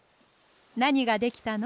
なにができたの？